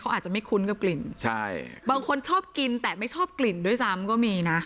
อาจจะไม่คุ้นกับกลิ่นใช่บางคนชอบกินแต่ไม่ชอบกลิ่นด้วยซ้ำก็มีนะ